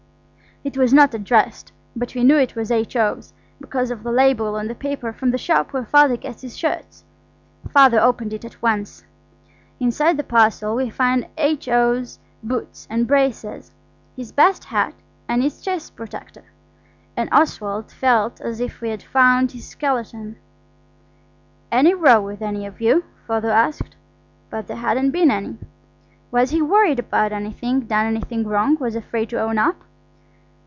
It was not addressed, but we knew it was H.O.'s, because of the label on the paper from the shop where Father gets his shirts. Father opened it at once. Inside the parcel we found H.O.'s boots and braces, his best hat and his chest protector. And Oswald felt as if we had found his skeleton. "Any row with any of you?" Father asked. But there hadn't been any. "Was he worried about anything? Done anything wrong, and afraid to own up?"